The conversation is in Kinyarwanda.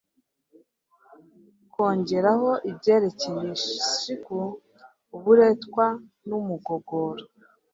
kongeraho ibyerekeye shiku, uburetwa n'umugogoro.